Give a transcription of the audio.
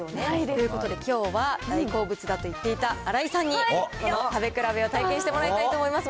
ということで、きょうは大好物だと言っていた新井さんに食べ比べを体験してもらいたいと思います。